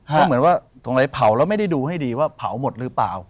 ก็เหมือนว่าตรงไหนเผาแล้วไม่ได้ดูให้ดีว่าเผาหมดหรือเปล่า